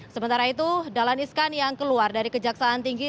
sementara itu dahlan iskan yang keluar dari kejaksaan tinggi